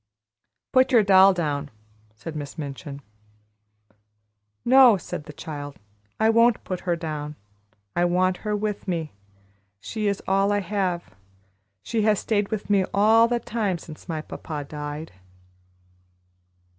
"Put your doll down!" said Miss Minchin. "No," said the child, "I won't put her down; I want her with me. She is all I have. She has stayed with me all the time since my papa died."